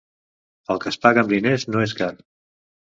El que es paga amb diners no és car.